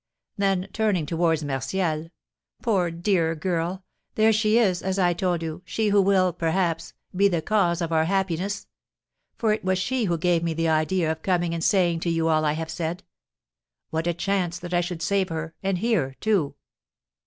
Then turning towards Martial, "Poor dear girl! There she is, as I told you, she who will, perhaps, be the cause of our happiness; for it was she who gave me the idea of coming and saying to you all I have said. What a chance that I should save her and here, too!"